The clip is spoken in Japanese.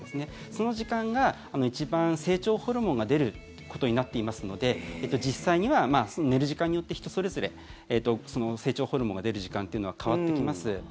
その時間が一番、成長ホルモンが出ることになっていますので実際には寝る時間によって人それぞれ成長ホルモンが出る時間というのは変わってきます。